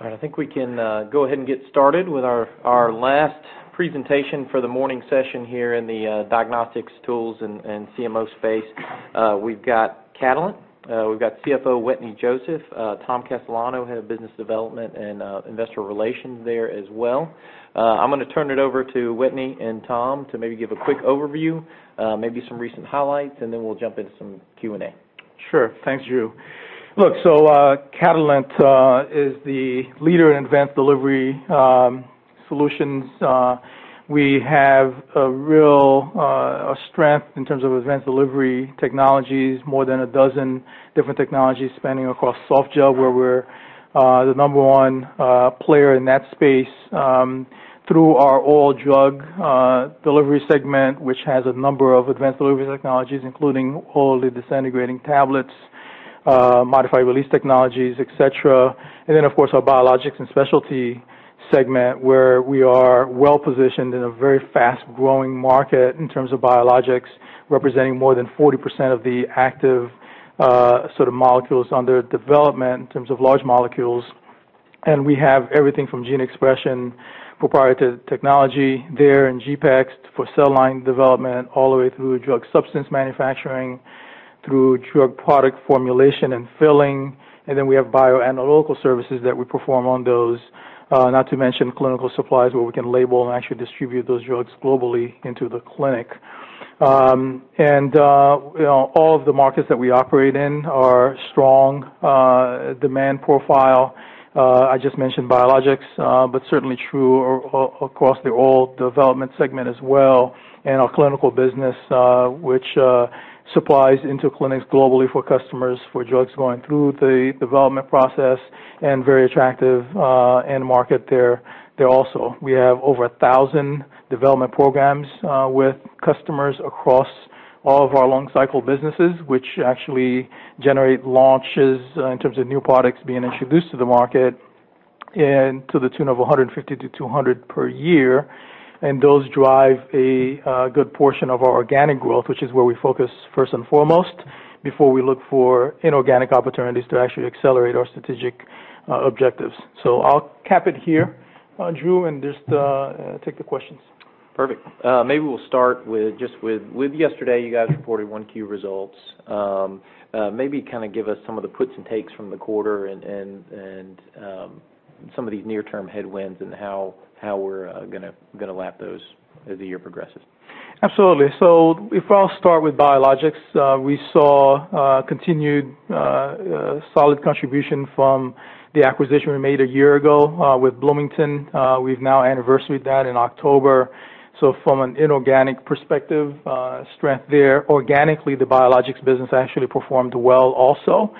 All right, I think we can go ahead and get started with our last presentation for the morning session here in the diagnostics tools and CMO space. We've got Catalent, we've got CFO Wetteny Joseph, Tom Castellano, Head of Business Development and Investor Relations there as well. I'm going to turn it over to Wetteny and Tom to maybe give a quick overview, maybe some recent highlights, and then we'll jump into some Q&A. Sure, thanks, Drew. Look, so Catalent is the leader in advanced delivery solutions. We have a real strength in terms of advanced delivery technologies, more than a dozen different technologies spanning across softgel, where we're the number one player in that space through our oral drug delivery segment, which has a number of advanced delivery technologies, including orally disintegrating tablets, modified release technologies, etc. And then, of course, our biologics and specialty segment, where we are well positioned in a very fast-growing market in terms of biologics, representing more than 40% of the active sort of molecules under development in terms of large molecules. And we have everything from gene expression, proprietary technology there in GPEx for cell line development, all the way through drug substance manufacturing, through drug product formulation and filling. And then we have bioanalytical services that we perform on those, not to mention clinical supplies, where we can label and actually distribute those drugs globally into the clinic. And all of the markets that we operate in are strong demand profile. I just mentioned biologics, but certainly true across the all-development segment as well. And our clinical business, which supplies into clinics globally for customers for drugs going through the development process, is very attractive in market there also. We have over 1,000 development programs with customers across all of our long-cycle businesses, which actually generate launches in terms of new products being introduced to the market and to the tune of 150-200 per year. And those drive a good portion of our organic growth, which is where we focus first and foremost before we look for inorganic opportunities to actually accelerate our strategic objectives. So I'll cap it here, Drew, and just take the questions. Perfect. Maybe we'll start just with yesterday. You guys reported Q1 results. Maybe kind of give us some of the puts and takes from the quarter and some of these near-term headwinds and how we're going to lap those as the year progresses. Absolutely. So, I'll start with biologics, we saw continued solid contribution from the acquisition we made a year ago with Bloomington. We've now anniversaried that in October. So from an inorganic perspective, strength there. Organically, the biologics business actually performed well also.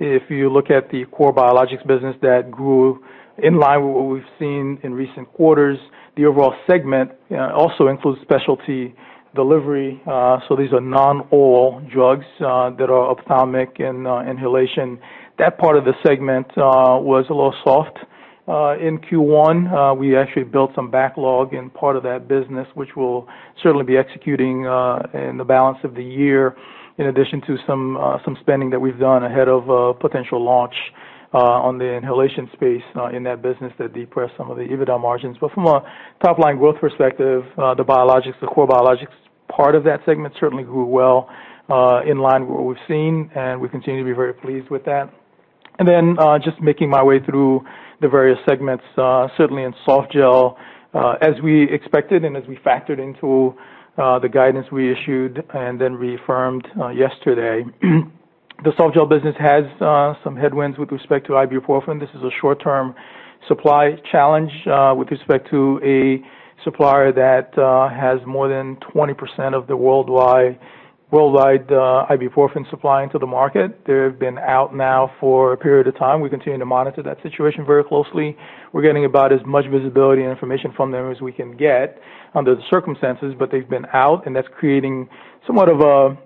If you look at the core biologics business that grew in line with what we've seen in recent quarters, the overall segment also includes specialty delivery. So these are non-oral drugs that are ophthalmic and inhalation. That part of the segment was a little soft in Q1. We actually built some backlog in part of that business, which we'll certainly be executing in the balance of the year, in addition to some spending that we've done ahead of potential launch on the inhalation space in that business that depressed some of the EBITDA margins. But from a top-line growth perspective, the biologics, the core biologics part of that segment certainly grew well in line with what we've seen, and we continue to be very pleased with that. And then just making my way through the various segments, certainly in softgel, as we expected and as we factored into the guidance we issued and then reaffirmed yesterday. The softgel business has some headwinds with respect to ibuprofen. This is a short-term supply challenge with respect to a supplier that has more than 20% of the worldwide ibuprofen supply into the market. They've been out now for a period of time. We continue to monitor that situation very closely. We're getting about as much visibility and information from them as we can get under the circumstances, but they've been out, and that's creating somewhat of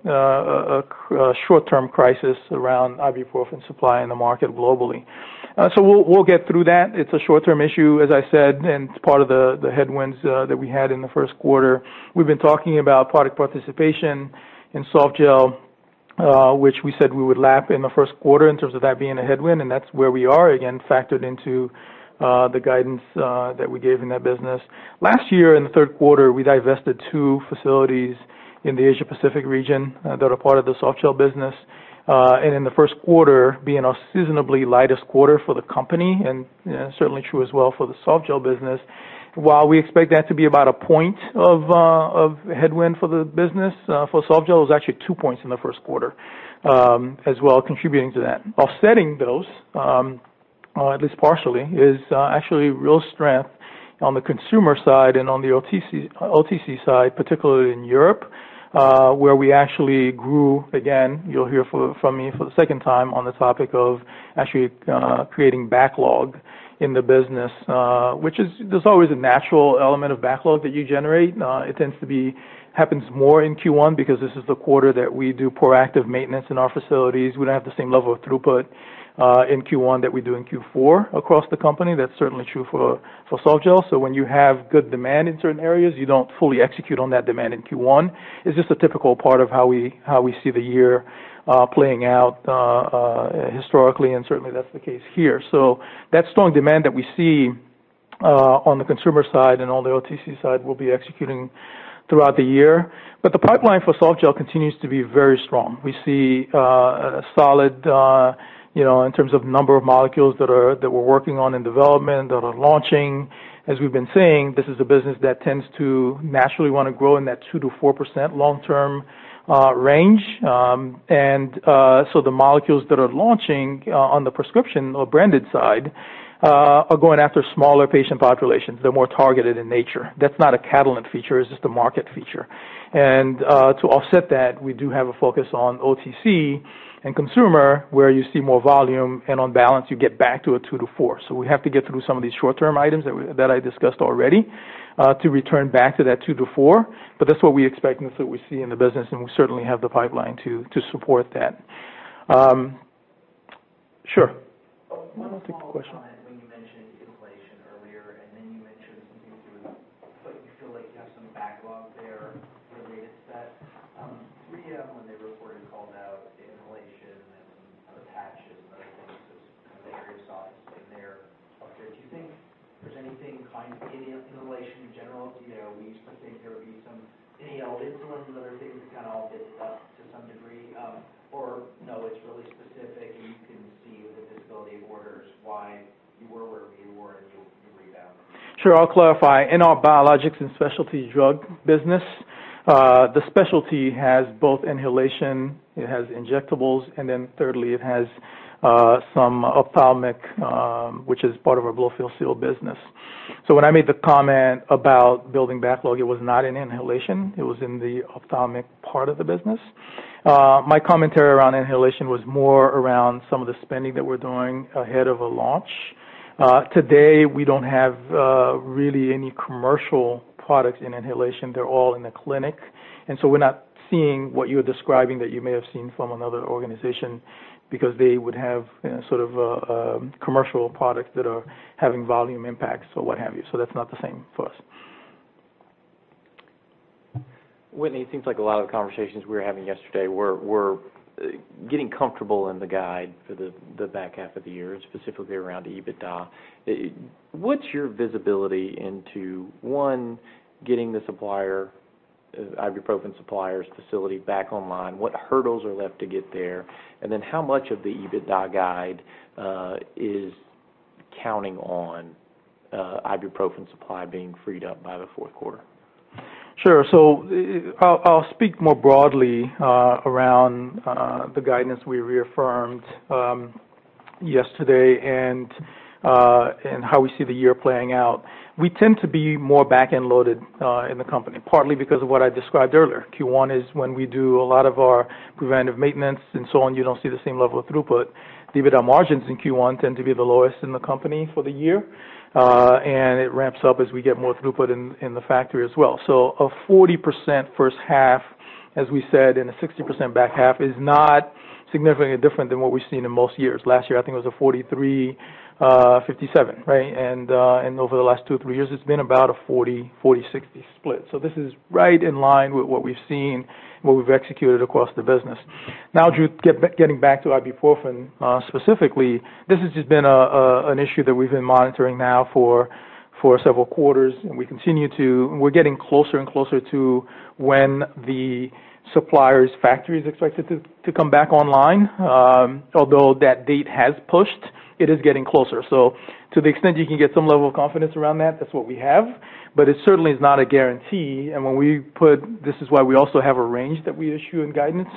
a short-term crisis around ibuprofen supply in the market globally. So we'll get through that. It's a short-term issue, as I said, and part of the headwinds that we had in the first quarter. We've been talking about product participation in softgel, which we said we would lap in the first quarter in terms of that being a headwind, and that's where we are, again, factored into the guidance that we gave in that business. Last year, in the third quarter, we divested two facilities in the Asia-Pacific region that are part of the softgel business. In the first quarter, being our seasonably lightest quarter for the company, and certainly true as well for the softgel business, while we expect that to be about a point of headwind for the business, for softgel, it was actually two points in the first quarter as well, contributing to that. Offsetting those, at least partially, is actually real strength on the consumer side and on the OTC side, particularly in Europe, where we actually grew, again, you'll hear from me for the second time on the topic of actually creating backlog in the business, which is there's always a natural element of backlog that you generate. It tends to be happens more in Q1 because this is the quarter that we do proactive maintenance in our facilities. We don't have the same level of throughput in Q1 that we do in Q4 across the company. That's certainly true for softgel. So when you have good demand in certain areas, you don't fully execute on that demand in Q1. It's just a typical part of how we see the year playing out historically, and certainly that's the case here. So that strong demand that we see on the consumer side and on the OTC side will be executing throughout the year. But the pipeline for softgel continues to be very strong. We see solid in terms of number of molecules that we're working on in development that are launching. As we've been saying, this is a business that tends to naturally want to grow in that 2%-4% long-term range. And so the molecules that are launching on the prescription or branded side are going after smaller patient populations. They're more targeted in nature. That's not a Catalent feature. It's just a market feature. And to offset that, we do have a focus on OTC and consumer, where you see more volume, and on balance, you get back to a 2-4. So we have to get through some of these short-term items that I discussed already to return back to that 2-4. But that's what we expect and that's what we see in the business, and we certainly have the pipeline to support that. Sure. One more quick question. When you mentioned inflation earlier, and then you mentioned something too, but you feel like you have some backlog there related to that. 3M, when they reported, called out inflation and some patches and other things, so some very soft things there. Do you think there's anything kind of in the inhalation in general? We used to think there would be some inhaled insulin and other things that kind of all did stuff to some degree. Or no, it's really specific, and you can see with the visibility orders why you were where you were and you rebounded. Sure, I'll clarify. In our biologics and specialty drug business, the specialty has both inhalation, it has injectables, and then thirdly, it has some ophthalmic, which is part of our Blow-Fill-Seal business. So when I made the comment about building backlog, it was not in inhalation. It was in the ophthalmic part of the business. My commentary around inhalation was more around some of the spending that we're doing ahead of a launch. Today, we don't have really any commercial products in inhalation. They're all in the clinic. And so we're not seeing what you're describing that you may have seen from another organization because they would have sort of commercial products that are having volume impacts or what have you. So that's not the same for us. Wetteny, it seems like a lot of the conversations we were having yesterday were getting comfortable in the guide for the back half of the year, specifically around EBITDA. What's your visibility into, one, getting the supplier, ibuprofen suppliers' facility, back online? What hurdles are left to get there? And then how much of the EBITDA guide is counting on ibuprofen supply being freed up by the fourth quarter? Sure. So I'll speak more broadly around the guidance we reaffirmed yesterday and how we see the year playing out. We tend to be more back-end loaded in the company, partly because of what I described earlier. Q1 is when we do a lot of our preventive maintenance and so on, you don't see the same level of throughput. The EBITDA margins in Q1 tend to be the lowest in the company for the year, and it ramps up as we get more throughput in the factory as well. So a 40% first half, as we said, and a 60% back half is not significantly different than what we've seen in most years. Last year, I think it was a 43%-57%, right? And over the last two or three years, it's been about a 40%-60% split. So this is right in line with what we've seen, what we've executed across the business. Now, Drew, getting back to ibuprofen specifically, this has just been an issue that we've been monitoring now for several quarters, and we're getting closer and closer to when the supplier's factory is expected to come back online. Although that date has pushed, it is getting closer. So to the extent you can get some level of confidence around that, that's what we have. But it certainly is not a guarantee. And when we put this, this is why we also have a range that we issue in guidance,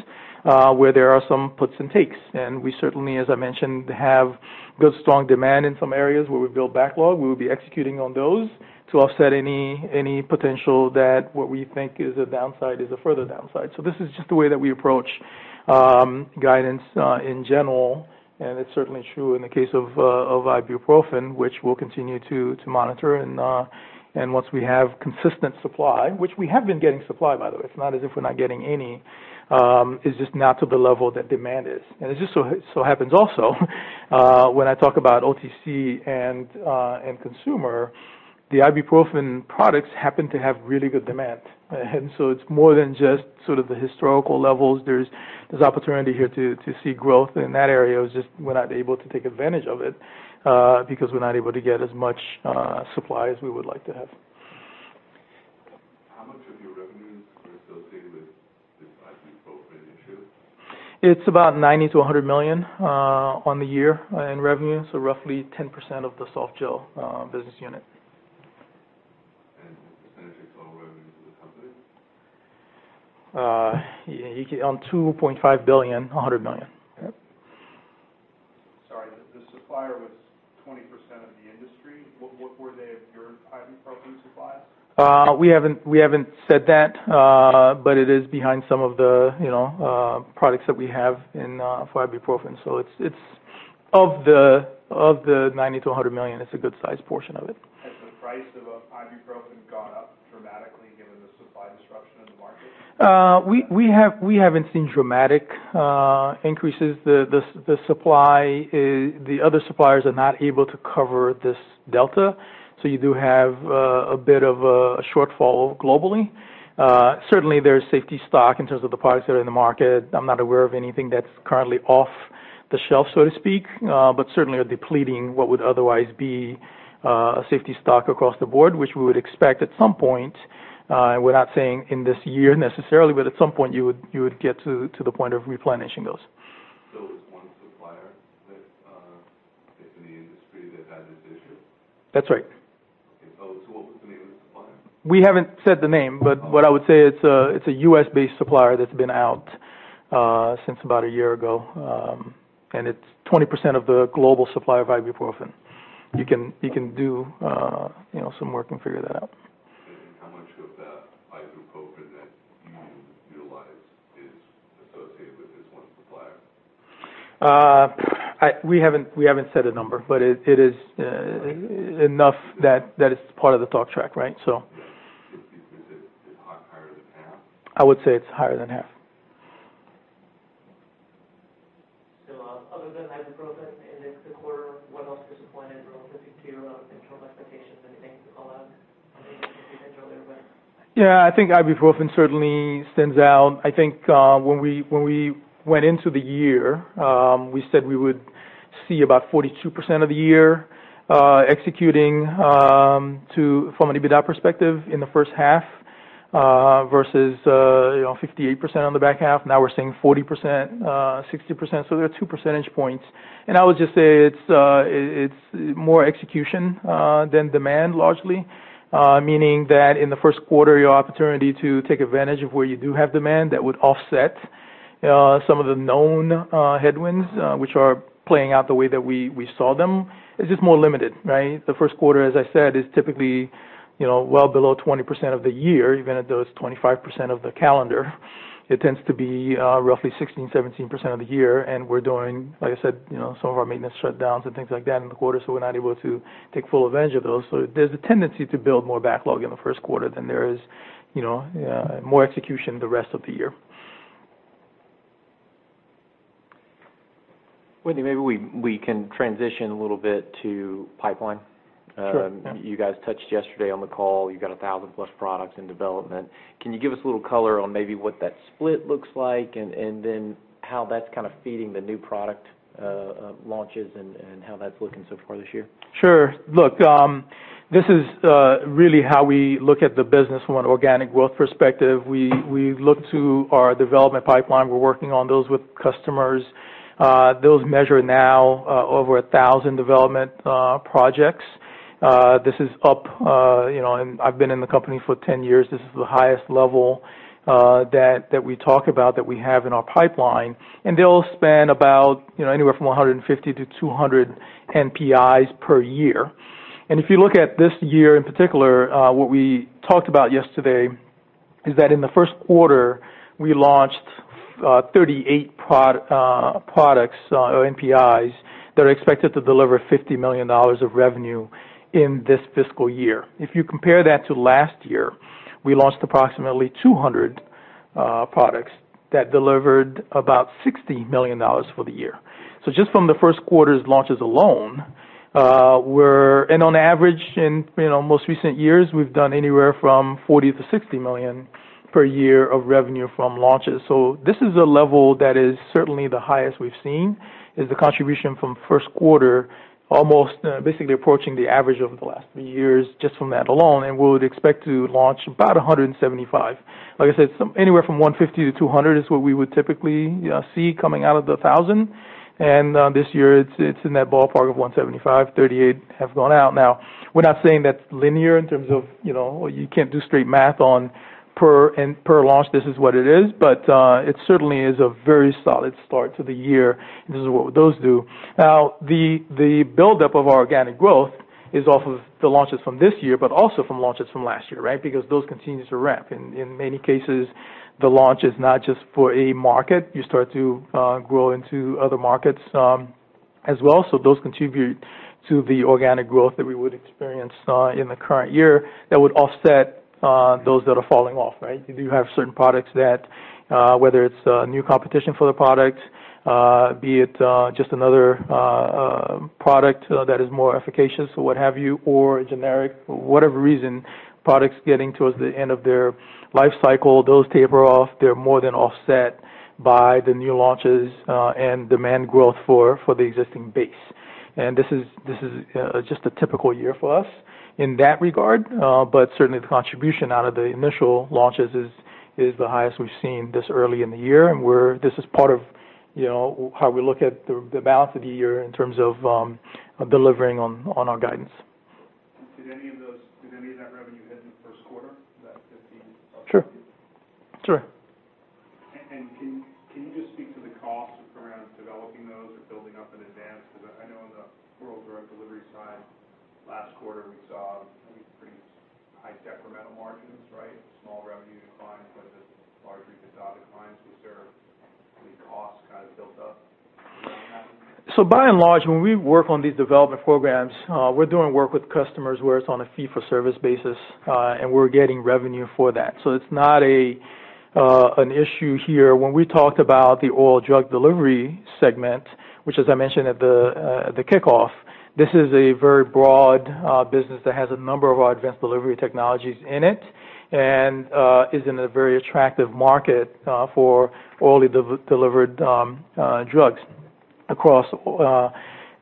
where there are some puts and takes. And we certainly, as I mentioned, have good strong demand in some areas where we build backlog. We will be executing on those to offset any potential that what we think is a downside is a further downside. So this is just the way that we approach guidance in general. And it's certainly true in the case of ibuprofen, which we'll continue to monitor. And once we have consistent supply, which we have been getting supply, by the way, it's not as if we're not getting any, it's just not to the level that demand is. And it just so happens also when I talk about OTC and consumer, the ibuprofen products happen to have really good demand. And so it's more than just sort of the historical levels. There's opportunity here to see growth in that area. It's just we're not able to take advantage of it because we're not able to get as much supply as we would like to have. How much of your revenues are associated with this ibuprofen issue? It's about $90 million-$100 million on the year in revenue, so roughly 10% of the softgel business unit. The percentage of total revenues of the company? On $2.5 billion, $100 million. Sorry, the supplier was 20% of the industry. What were they of your ibuprofen supplies? We haven't said that, but it is behind some of the products that we have for ibuprofen. So it's of the $90 million-$100 million, it's a good size portion of it. Has the price of ibuprofen gone up dramatically given the supply disruption in the market? We haven't seen dramatic increases. The other suppliers are not able to cover this delta, so you do have a bit of a shortfall globally. Certainly, there's safety stock in terms of the products that are in the market. I'm not aware of anything that's currently off the shelf, so to speak, but certainly are depleting what would otherwise be a safety stock across the board, which we would expect at some point, and we're not saying in this year necessarily, but at some point you would get to the point of replenishing those. So it was one supplier in the industry that had this issue? That's right. Okay, so what was the name of the supplier? We haven't said the name, but what I would say it's a U.S.-based supplier that's been out since about a year ago, and it's 20% of the global supply of ibuprofen. You can do some work and figure that out. How much of the ibuprofen that you utilize is associated with this one supplier? We haven't said a number, but it is enough that it's part of the talk track, right? So. Is it higher than half? I would say it's higher than half. So other than ibuprofen in the quarter, what else disappointed relative to internal expectations? Anything to call out? I think you mentioned earlier, but. Yeah, I think ibuprofen certainly stands out. I think when we went into the year, we said we would see about 42% of the year executing from an EBITDA perspective in the first half versus 58% on the back half. Now we're seeing 40%, 60%. So there are two percentage points. And I would just say it's more execution than demand largely, meaning that in the first quarter, your opportunity to take advantage of where you do have demand that would offset some of the known headwinds, which are playing out the way that we saw them, is just more limited, right? The first quarter, as I said, is typically well below 20% of the year, even at those 25% of the calendar. It tends to be roughly 16, 17% of the year. We're doing, like I said, some of our maintenance shutdowns and things like that in the quarter, so we're not able to take full advantage of those. There's a tendency to build more backlog in the first quarter than there is more execution the rest of the year. Wetteny, maybe we can transition a little bit to pipeline. You guys touched yesterday on the call. You got 1,000-plus products in development. Can you give us a little color on maybe what that split looks like and then how that's kind of feeding the new product launches and how that's looking so far this year? Sure. Look, this is really how we look at the business from an organic growth perspective. We look to our development pipeline. We're working on those with customers. Those measure now over 1,000 development projects. This is up. I've been in the company for 10 years. This is the highest level that we talk about that we have in our pipeline. And they'll spend about anywhere from 150-200 NPIs per year. And if you look at this year in particular, what we talked about yesterday is that in the first quarter, we launched 38 products or NPIs that are expected to deliver $50 million of revenue in this fiscal year. If you compare that to last year, we launched approximately 200 products that delivered about $60 million for the year. So just from the first quarter's launches alone, and on average, in most recent years, we've done anywhere from $40 million-$60 million per year of revenue from launches. So this is a level that is certainly the highest we've seen, is the contribution from first quarter, almost basically approaching the average of the last three years just from that alone. And we would expect to launch about 175. Like I said, anywhere from 150-200 is what we would typically see coming out of the 1,000. And this year, it's in that ballpark of 175. 38 have gone out. Now, we're not saying that's linear in terms of you can't do straight math on per launch, this is what it is. But it certainly is a very solid start to the year. This is what those do. Now, the buildup of our organic growth is off of the launches from this year, but also from launches from last year, right? Because those continue to ramp. In many cases, the launch is not just for a market. You start to grow into other markets as well. So those contribute to the organic growth that we would experience in the current year that would offset those that are falling off, right? You have certain products that, whether it's new competition for the product, be it just another product that is more efficacious or what have you, or generic, whatever reason, products getting towards the end of their life cycle, those taper off. They're more than offset by the new launches and demand growth for the existing base. And this is just a typical year for us in that regard. But certainly, the contribution out of the initial launches is the highest we've seen this early in the year. And this is part of how we look at the balance of the year in terms of delivering on our guidance. Did any of that revenue hit in the first quarter, that 50? Sure. Sure. Can you just speak to the cost around developing those or building up in advance? Because I know on the oral drug delivery side, last quarter, we saw pretty high decremental margins, right? Small revenue declines, but the large EBITDA declines. Was there any cost kind of built up around that? So by and large, when we work on these development programs, we're doing work with customers where it's on a fee-for-service basis, and we're getting revenue for that. So it's not an issue here. When we talked about the oral drug delivery segment, which, as I mentioned at the kickoff, this is a very broad business that has a number of our advanced delivery technologies in it and is in a very attractive market for orally delivered drugs across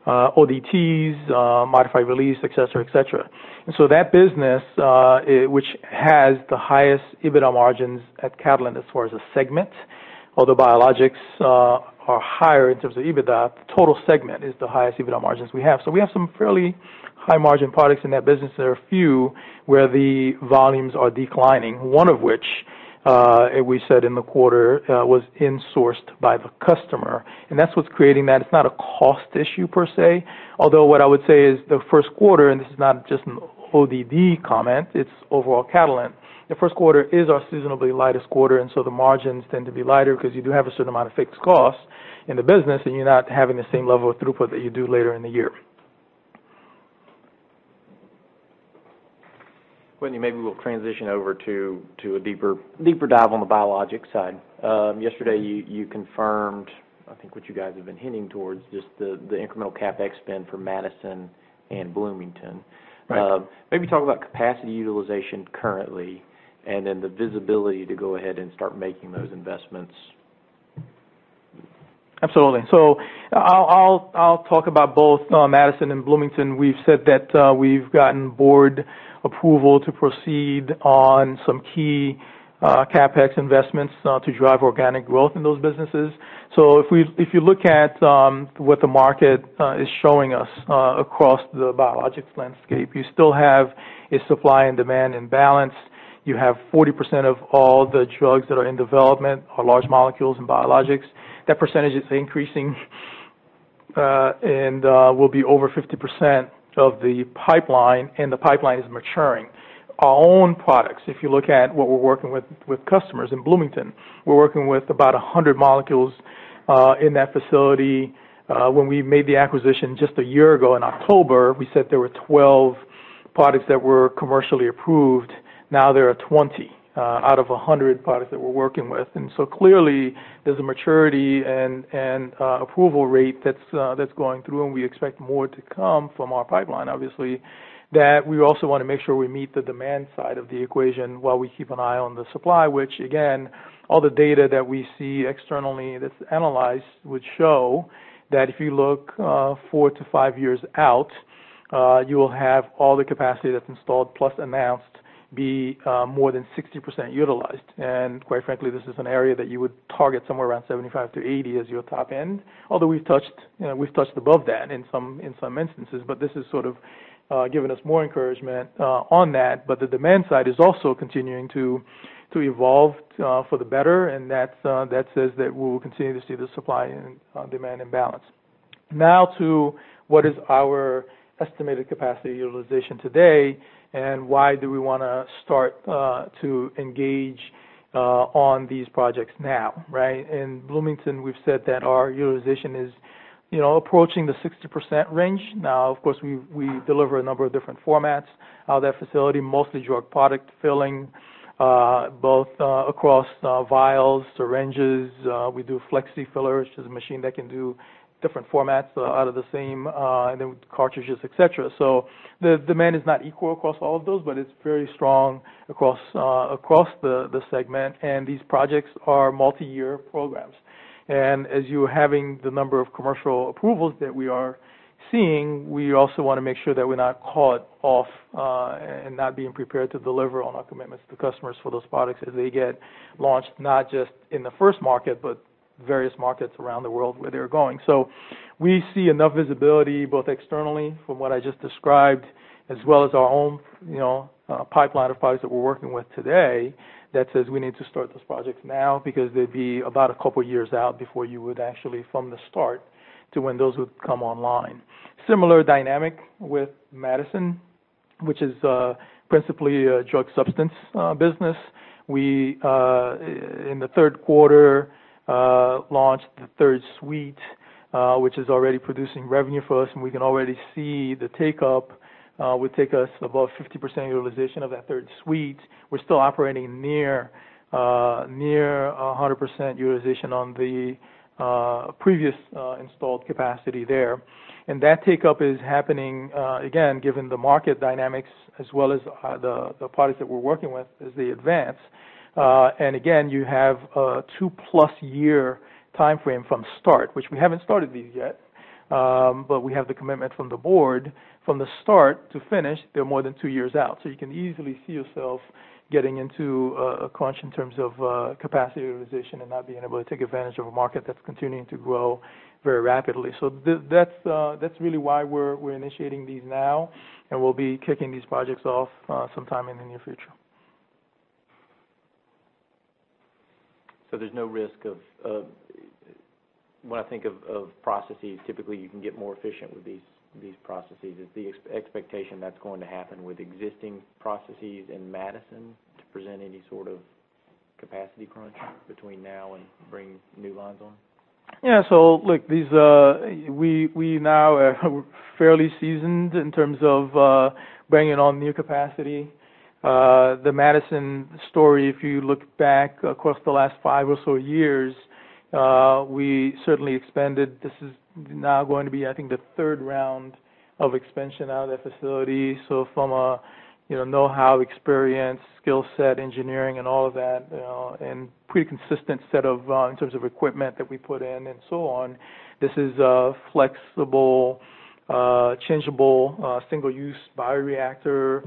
ODTs, modified release, etc., etc. And so that business, which has the highest EBITDA margins at Catalent as far as a segment, although biologics are higher in terms of EBITDA, the total segment is the highest EBITDA margins we have. So we have some fairly high-margin products in that business. There are a few where the volumes are declining, one of which, we said in the quarter, was insourced by the customer, and that's what's creating that. It's not a cost issue per se. Although what I would say is the first quarter, and this is not just an ODD comment, it's overall Catalent. The first quarter is our seasonally lightest quarter, and so the margins tend to be lighter because you do have a certain amount of fixed costs in the business, and you're not having the same level of throughput that you do later in the year. Wetteny, maybe we'll transition over to a deeper dive on the biologic side. Yesterday, you confirmed, I think, what you guys have been hinting towards, just the incremental CapEx spend for Madison and Bloomington. Maybe talk about capacity utilization currently and then the visibility to go ahead and start making those investments. Absolutely. So I'll talk about both Madison and Bloomington. We've said that we've gotten board approval to proceed on some key CapEx investments to drive organic growth in those businesses. So if you look at what the market is showing us across the biologics landscape, you still have a supply and demand imbalance. You have 40% of all the drugs that are in development are large molecules and biologics. That percentage is increasing and will be over 50% of the pipeline, and the pipeline is maturing. Our own products, if you look at what we're working with customers in Bloomington, we're working with about 100 molecules in that facility. When we made the acquisition just a year ago in October, we said there were 12 products that were commercially approved. Now there are 20 out of 100 products that we're working with. And so clearly, there's a maturity and approval rate that's going through, and we expect more to come from our pipeline, obviously, that we also want to make sure we meet the demand side of the equation while we keep an eye on the supply, which, again, all the data that we see externally that's analyzed would show that if you look four to five years out, you will have all the capacity that's installed plus announced be more than 60% utilized. And quite frankly, this is an area that you would target somewhere around 75%-80% as your top end, although we've touched above that in some instances. But this has sort of given us more encouragement on that. But the demand side is also continuing to evolve for the better, and that says that we will continue to see the supply and demand imbalance. Now to what is our estimated capacity utilization today and why do we want to start to engage on these projects now, right? In Bloomington, we've said that our utilization is approaching the 60% range. Now, of course, we deliver a number of different formats out of that facility, mostly drug product filling, both across vials, syringes. We do FlexiFillers, which is a machine that can do different formats out of the same, and then cartridges, etc. So the demand is not equal across all of those, but it's very strong across the segment. And these projects are multi-year programs. As you're having the number of commercial approvals that we are seeing, we also want to make sure that we're not caught off and not being prepared to deliver on our commitments to customers for those products as they get launched, not just in the first market, but various markets around the world where they're going. We see enough visibility both externally from what I just described, as well as our own pipeline of products that we're working with today that says we need to start those projects now because they'd be about a couple of years out before you would actually from the start to when those would come online. Similar dynamic with Madison, which is principally a drug substance business. In the third quarter, launched the third suite, which is already producing revenue for us, and we can already see the take-up would take us above 50% utilization of that third suite. We're still operating near 100% utilization on the previous installed capacity there. And that take-up is happening, again, given the market dynamics as well as the products that we're working with as they advance. And again, you have a two-plus year timeframe from start, which we haven't started these yet, but we have the commitment from the board from the start to finish. They're more than two years out. So you can easily see yourself getting into a crunch in terms of capacity utilization and not being able to take advantage of a market that's continuing to grow very rapidly. So that's really why we're initiating these now, and we'll be kicking these projects off sometime in the near future. There's no risk of, when I think of processes, typically you can get more efficient with these processes. Is the expectation that's going to happen with existing processes in Madison to present any sort of capacity crunch between now and bring new lines on? Yeah. So look, we now are fairly seasoned in terms of bringing on new capacity. The Madison story, if you look back across the last five or so years, we certainly expanded. This is now going to be, I think, the third round of expansion out of that facility, so from a know-how, experience, skill set, engineering, and all of that, and pretty consistent set of in terms of equipment that we put in and so on. This is a flexible, changeable single-use bioreactor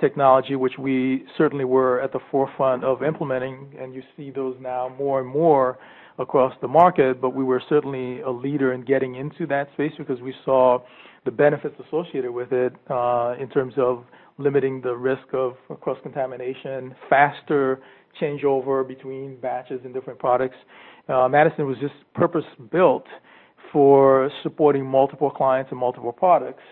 technology, which we certainly were at the forefront of implementing, and you see those now more and more across the market, but we were certainly a leader in getting into that space because we saw the benefits associated with it in terms of limiting the risk of cross-contamination, faster changeover between batches and different products. Madison was just purpose-built for supporting multiple clients and multiple products,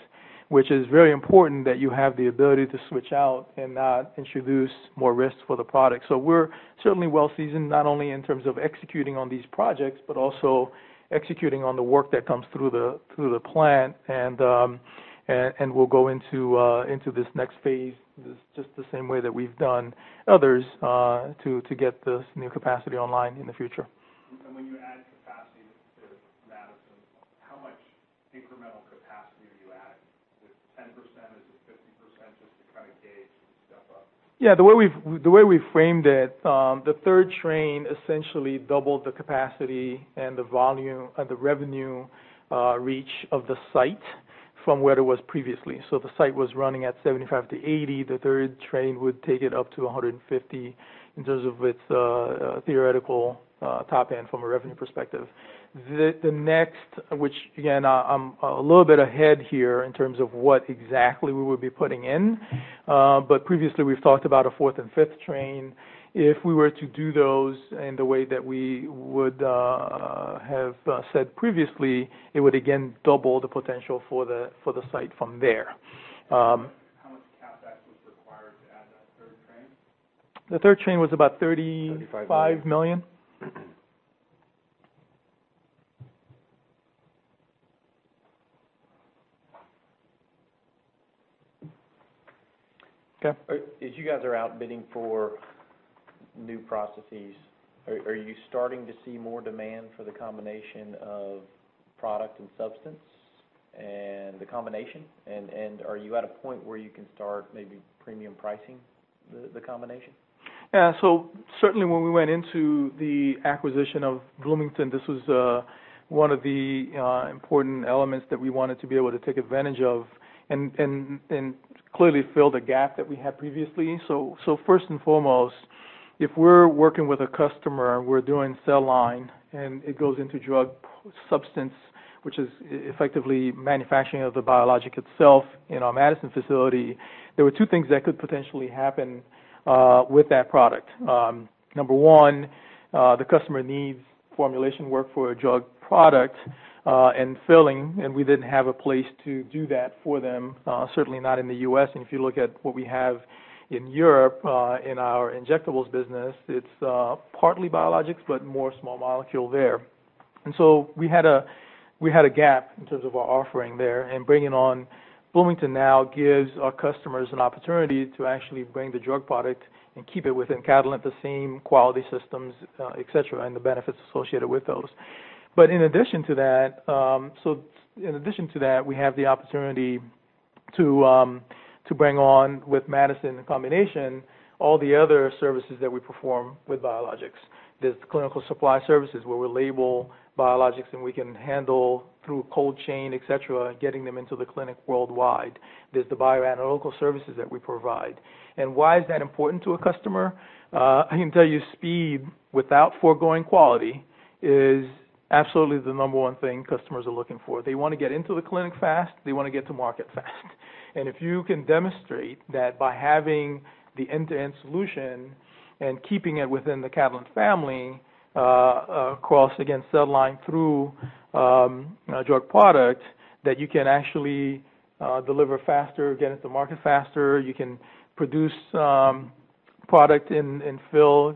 which is very important that you have the ability to switch out and not introduce more risk for the product. So we're certainly well-seasoned, not only in terms of executing on these projects, but also executing on the work that comes through the plant. And we'll go into this next phase just the same way that we've done others to get this new capacity online in the future. And when you add capacity to Madison, how much incremental capacity are you adding? Is it 10%? Is it 50% just to kind of gauge and step up? Yeah. The way we framed it, the third train essentially doubled the capacity and the revenue reach of the site from where it was previously. So the site was running at 75-80. The third train would take it up to 150 in terms of its theoretical top end from a revenue perspective. The next, which again, I'm a little bit ahead here in terms of what exactly we would be putting in. But previously, we've talked about a fourth and fifth train. If we were to do those in the way that we would have said previously, it would, again, double the potential for the site from there. How much CapEx was required to add that third train? The third train was about $35 million. Okay. As you guys are outbidding for new processes, are you starting to see more demand for the combination of product and substance and the combination? And are you at a point where you can start maybe premium pricing the combination? Yeah. So certainly, when we went into the acquisition of Bloomington, this was one of the important elements that we wanted to be able to take advantage of and clearly fill the gap that we had previously. So first and foremost, if we're working with a customer and we're doing cell line and it goes into drug substance, which is effectively manufacturing of the biologic itself in our Madison facility, there were two things that could potentially happen with that product. Number one, the customer needs formulation work for a drug product and filling, and we didn't have a place to do that for them, certainly not in the U.S. And if you look at what we have in Europe in our injectables business, it's partly biologics, but more small molecules there. And so we had a gap in terms of our offering there. Bringing on Bloomington now gives our customers an opportunity to actually bring the drug product and keep it within Catalent, the same quality systems, etc., and the benefits associated with those. But in addition to that, we have the opportunity to bring on with Madison in combination all the other services that we perform with biologics. There's clinical supply services where we label biologics and we can handle through cold chain, etc., getting them into the clinic worldwide. There's the bioanalytical services that we provide. Why is that important to a customer? I can tell you speed without foregoing quality is absolutely the number one thing customers are looking for. They want to get into the clinic fast. They want to get to market fast. And if you can demonstrate that by having the end-to-end solution and keeping it within the Catalent family across, again, cell line through drug product, that you can actually deliver faster, get into market faster, you can produce product and fill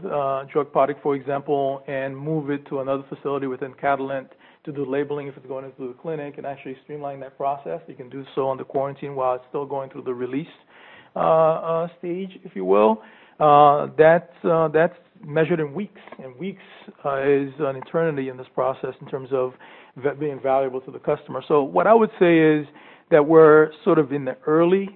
drug product, for example, and move it to another facility within Catalent to do labeling if it's going into the clinic and actually streamline that process. You can do so on the quarantine while it's still going through the release stage, if you will. That's measured in weeks, and weeks is an eternity in this process in terms of being valuable to the customer, so what I would say is that we're sort of in the early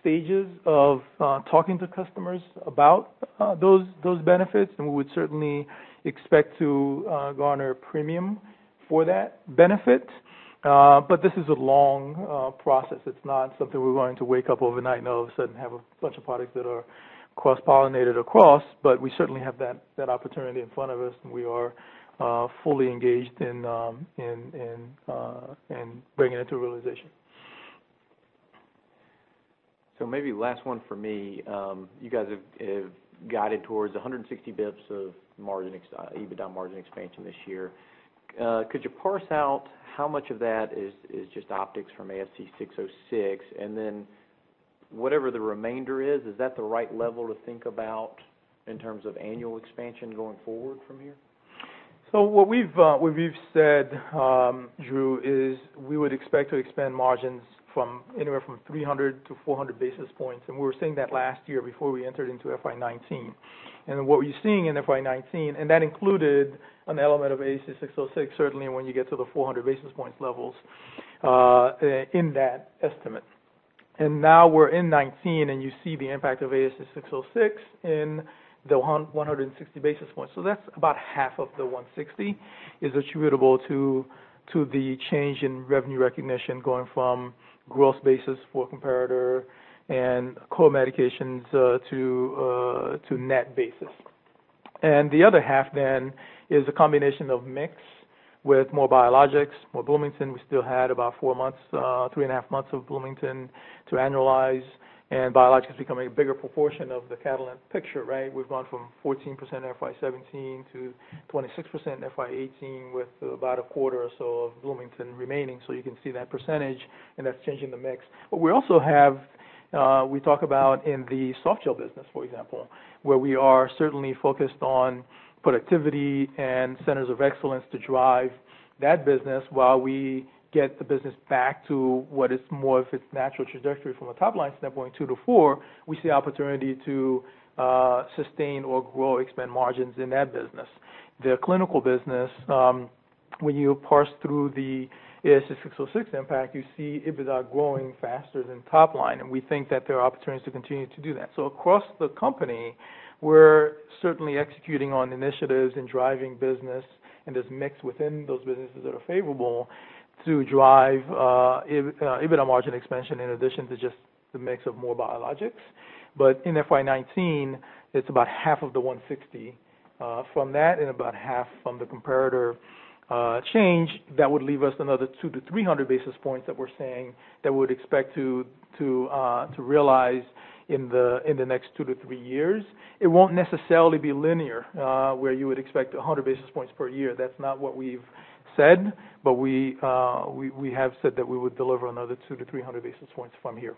stages of talking to customers about those benefits, and we would certainly expect to garner a premium for that benefit, but this is a long process. It's not something we're going to wake up overnight and all of a sudden have a bunch of products that are cross-pollinated across. But we certainly have that opportunity in front of us, and we are fully engaged in bringing it to realization. So maybe last one for me. You guys have guided towards 160 basis points of EBITDA margin expansion this year. Could you parse out how much of that is just optics from ASC 606? And then whatever the remainder is, is that the right level to think about in terms of annual expansion going forward from here? What we've said, Drew, is we would expect to expand margins from anywhere from 300-400 basis points. We were seeing that last year before we entered into FY19. What we're seeing in FY19 included an element of ASC 606, certainly when you get to the 400 basis points levels in that estimate. Now we're in 2019, and you see the impact of ASC 606 in the 160 basis points. That's about half of the 160 attributable to the change in revenue recognition going from gross basis for comparator and co-medications to net basis. The other half then is a combination of mix with more biologics, more Bloomington. We still had about three and a half months of Bloomington to annualize, and biologics becoming a bigger proportion of the Catalent picture, right? We've gone from 14% FY17 to 26% FY18 with about a quarter or so of Bloomington remaining. You can see that percentage, and that's changing the mix. We also talk about in the softgel business, for example, where we are certainly focused on productivity and centers of excellence to drive that business. While we get the business back to what is more of its natural trajectory from a top line standpoint, two to four, we see opportunity to sustain or grow, expand margins in that business. The clinical business, when you parse through the ASC 606 impact, you see EBITDA growing faster than top line. We think that there are opportunities to continue to do that. Across the company, we're certainly executing on initiatives and driving business, and there's mix within those businesses that are favorable to drive EBITDA margin expansion in addition to just the mix of more biologics. But in FY19, it's about half of the 160 from that and about half from the comparator change. That would leave us another 200-300 basis points that we're saying that we would expect to realize in the next two to three years. It won't necessarily be linear where you would expect 100 basis points per year. That's not what we've said, but we have said that we would deliver another 200-300 basis points from here.